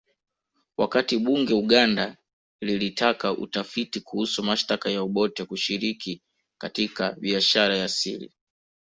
Wakati bunge Uganda lilitaka utafiti kuhusu mashtaka ya Obote kushiriki katika biashara ya siri